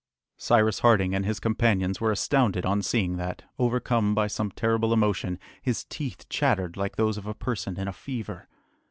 Cyrus Harding and his companions were astounded on seeing that, overcome by some terrible emotion, his teeth chattered like those of a person in a fever.